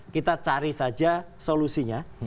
kita cari saja solusinya